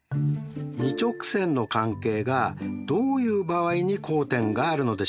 ２直線の関係がどういう場合に交点があるのでしょうか。